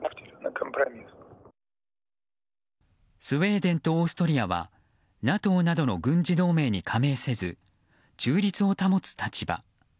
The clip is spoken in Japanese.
スウェーデンとオーストリアはＮＡＴＯなどの軍事同盟に加盟せず中立を保つ立場。